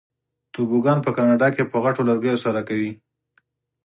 توبوګان په کاناډا کې په غټو لرګیو سره کوي.